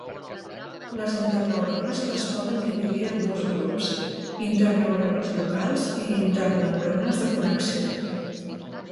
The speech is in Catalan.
Les interneurones es poden dividir en dos grups: interneurones locals i interneurones de connexió.